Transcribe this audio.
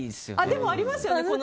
でもありますよね。